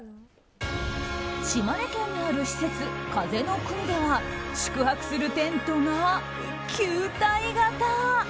島根県にある施設、風の国では宿泊するテントが球体型。